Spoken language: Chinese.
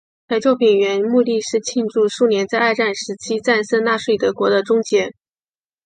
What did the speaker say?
该作品原目的是庆祝苏联在二战时期战胜纳粹德国的终结。